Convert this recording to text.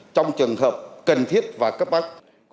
trong trường hợp cần thiết và cấp bắc